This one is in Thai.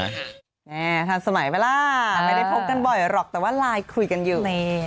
แน่ทันสมัยไปล่ะไม่ได้พบกันบ่อยหรอกแต่ว่าลายคุยกันอยู่